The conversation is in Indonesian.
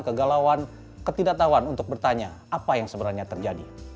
kegalauan ketidaktahuan untuk bertanya apa yang sebenarnya terjadi